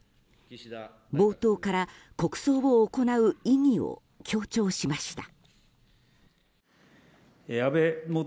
冒頭から国葬を行う意義を強調しました。